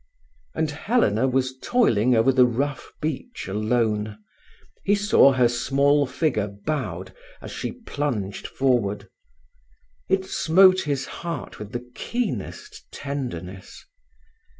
And Helena was toiling over the rough beach alone. He saw her small figure bowed as she plunged forward. It smote his heart with the keenest tenderness.